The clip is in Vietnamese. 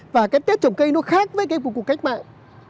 và cái tết trồng cây nó khác với cái cuộc cuộc cánh mạng